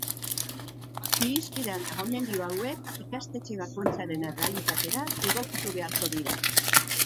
Irizpide eta gomendio hauek ikastetxe bakoitzaren errealitatera egokitu beharko dira.